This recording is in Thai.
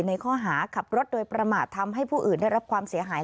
ในข้อหาขับรถโดยประมาททำให้ผู้อื่นได้รับความเสียหาย